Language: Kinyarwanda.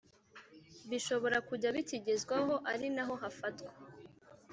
Bishobora kujya bikigezwaho ari naho hafatwa